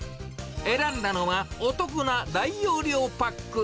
選んだのは、お得な大容量パック。